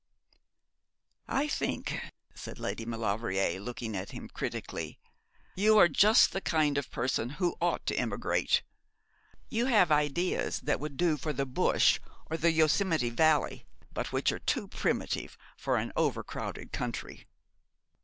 'I think,' said Lady Maulevrier, looking at him critically, 'you are just the kind of person who ought to emigrate. You have ideas that would do for the Bush or the Yosemite Valley, but which are too primitive for an over crowded country.'